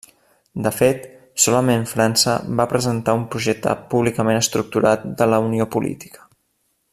De fet, solament França va presentar un projecte públicament estructurat de la unió política.